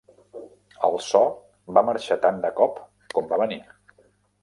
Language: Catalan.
El so va marxar tant de cop com va venir.